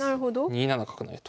２七角成と。